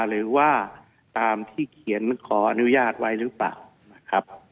หรือว่าตามที่เขียนขออนุญาตไว้หรือเปล่านะครับ